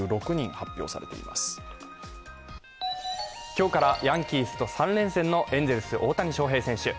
今日からヤンキースと３連戦のエンゼルス・大谷翔平選手。